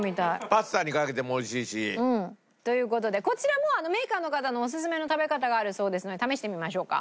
パスタにかけてもおいしいし。という事でこちらもメーカーの方のオススメの食べ方があるそうですので試してみましょうか。